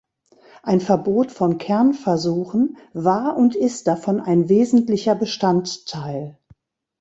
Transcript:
Ein Verbot von Kernversuchen war und ist davon ein wesentlicher Bestandteil.